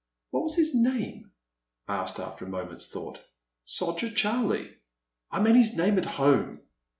*' What was his name ?" I asked after a mo ment's thought. " Soger CharUe "I mean his name at home."